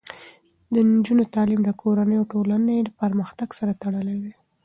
د نجونو تعلیم د کورنیو او ټولنې پرمختګ سره تړلی دی.